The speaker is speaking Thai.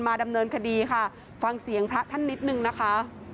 ดำเนินคดีค่ะฟังเสียงพระท่านนิดนึงนะคะ